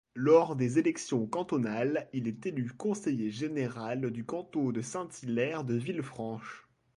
Lors des élections cantonales, il est élu conseiller général du canton de Saint-Hilaire-de-Villefranche.